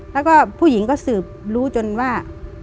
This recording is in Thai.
แล้วก็ผู้หญิงก็สืบรู้จนว่า